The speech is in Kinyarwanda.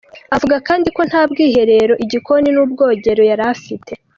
Avuga kandi ko nta bwiherero, igikoni n'ubwogero yari afite.